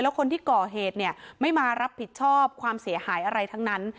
คนที่ก่อเหตุเนี่ยไม่มารับผิดชอบความเสียหายอะไรทั้งนั้น